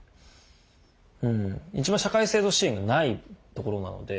一番社会制度支援がないところなので。